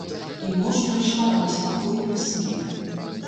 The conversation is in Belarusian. І ноч прайшла ў неспакойным сне.